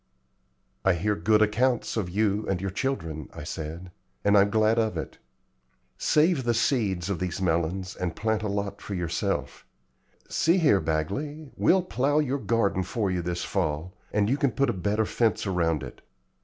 "I hear good accounts of you and your children," I said, "and I'm glad of it. Save the seeds of these melons and plant a lot for yourself. See here, Bagley, we'll plow your garden for you this fall, and you can put a better fence around it.